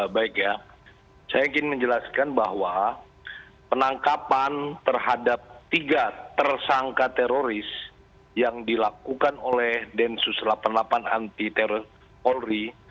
baik ya saya ingin menjelaskan bahwa penangkapan terhadap tiga tersangka teroris yang dilakukan oleh ditas semen khusus delapan puluh delapan anti teroris